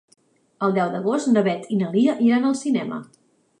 El deu d'agost na Beth i na Lia iran al cinema.